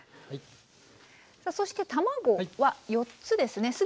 さあそして卵は４つですね。